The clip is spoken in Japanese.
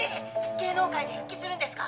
芸能界に復帰するんですか！？